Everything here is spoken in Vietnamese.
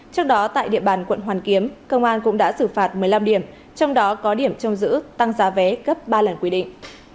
trước đó tại địa bàn quận hoàn kiếm công an cũng đã xử phạt một mươi năm điểm trong đó có điểm trong giữ tăng giá vé gấp ba lần quy định